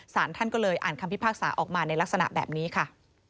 สารท่านก็เลยอ่านคำพิพากษาออกมาในลักษณะแบบนี้ค่ะ